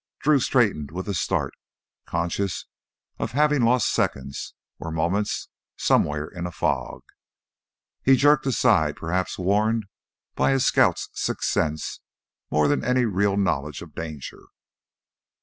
Drew straightened with a start, conscious of having lost seconds or moments somewhere in a fog. He jerked aside, perhaps warned by his scout's sixth sense more than any real knowledge of danger.